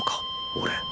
俺。